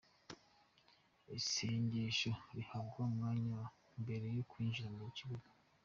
Isengesho rihabwa umwanya mbere yo kwinjira mu kibuga.